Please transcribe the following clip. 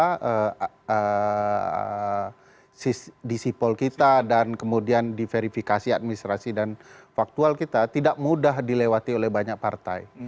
karena kemudian disipul kita dan kemudian diverifikasi administrasi dan faktual kita tidak mudah dilewati oleh banyak partai